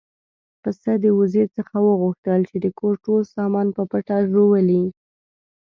پسه د وزې څخه وغوښتل چې د کور ټول سامان په پټه ژوولی.